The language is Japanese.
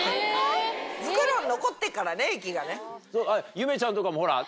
ゆめちゃんとかもほら。